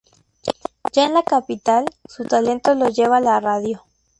Ya en la capital, su talento lo lleva a la radio.